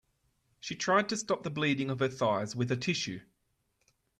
She tried to stop the bleeding of her thighs with a tissue.